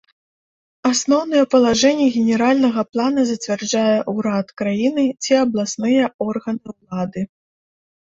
Асноўныя палажэнні генеральнага плана зацвярджае ўрад краіны ці абласныя органы ўлады.